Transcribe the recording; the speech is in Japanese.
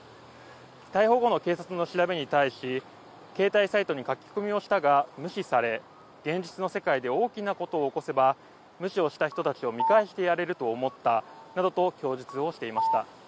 逮捕後の警察の調べに対し携帯サイトに書き込みをしたが無視され現実の世界で大きなことを起こせば無視をした人たちを見返してやれると思ったなどと供述をしていました。